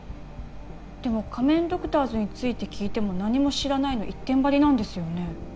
でも仮面ドクターズについて聞いても「何も知らない」の一点張りなんですよね